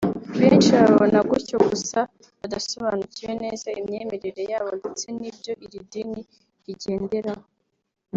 benshi bababona gutyo gusa badasobanukiwe neza imyemerere yabo ndetse n’ibyo iri dini rigenderaho